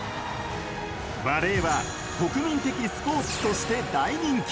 バレーは国民的スポーツとして大人気。